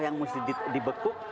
yang mesti dibekuk